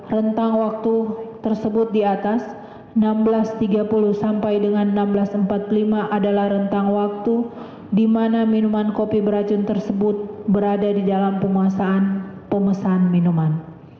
rentang waktu tersebut di atas enam belas tiga puluh sampai dengan seribu enam ratus empat puluh lima adalah rentang waktu di mana minuman kopi beracun tersebut berada di dalam penguasaan pemesan minuman